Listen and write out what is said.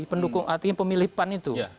pendukung artinya pemilih pan itu